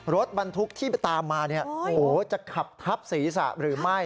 รถบรรทุกที่ตามมาจะขับทับศีรษะหรือไม่